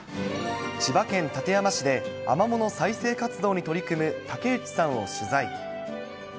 千葉県館山市でアマモの再生活動に取り組む竹内さんを取材。